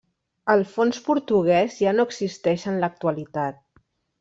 El fons portuguès ja no existeix en l'actualitat.